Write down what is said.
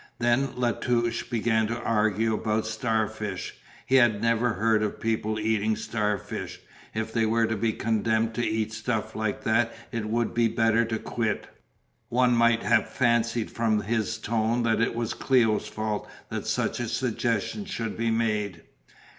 Then La Touche began to argue about star fish. He had never heard of people eating star fish. If they were to be condemned to eat stuff like that it would be better to quit. One might have fancied from his tone that it was Cléo's fault that such a suggestion should be made.